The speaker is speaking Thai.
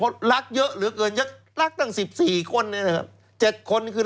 เพราะรักเยอะเหลือเกินเยอะรักตั้ง๑๔คนน่ะนะครับ๗คนน่ะคือ